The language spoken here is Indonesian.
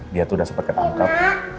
dia tuh udah sempat ketangkap